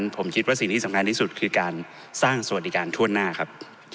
ผมคิดว่าสิ่งที่สำคัญที่สุดคือการสร้างสวัสดิการทั่วหน้าครับ